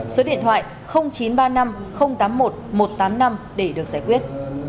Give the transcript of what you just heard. số điện thoại chín trăm ba mươi năm tám mươi một một trăm tám mươi năm để được giải quyết